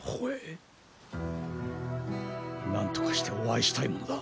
なんとかしてお会いしたいものだ。